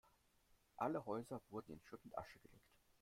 Alle Häuser wurden in Schutt und Asche gelegt.